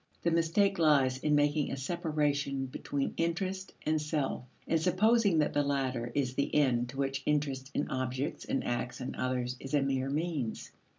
The mistake lies in making a separation between interest and self, and supposing that the latter is the end to which interest in objects and acts and others is a mere means.